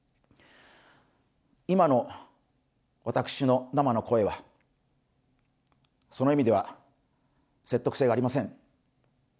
今の私の生の声はその意味では説得性がありません。